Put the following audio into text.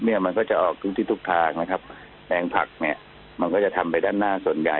มันก็จะออกตรงที่ทุกทางแรงผลักมันก็จะทำไปด้านหน้าส่วนใหญ่